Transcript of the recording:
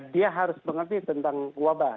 dia harus mengerti tentang wabah